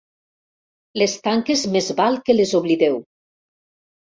Les tanques més val que les oblideu.